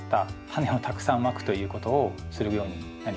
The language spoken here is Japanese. タネをたくさんまくということをするようになりました。